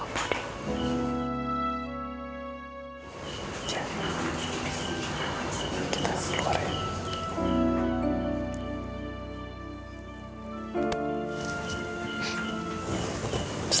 mas kita ada bopo deh